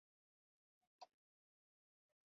دلته د سواد کچه هم ډېره لوړه ده.